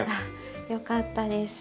よかったです。